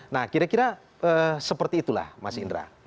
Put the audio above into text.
nah kira kira seperti itulah mas indra